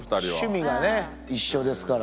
趣味がね一緒ですから。